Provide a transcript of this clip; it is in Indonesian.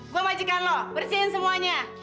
gue majikan lo bersihin semuanya